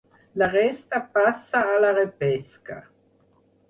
La resta passa a la repesca.